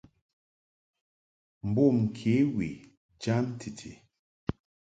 Mbom kě we jam titi.